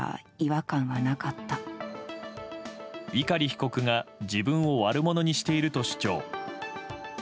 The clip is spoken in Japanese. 碇被告が自分を悪者にしていると主張。